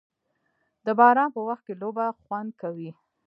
د باران په وخت کې لوبه خوند کوي.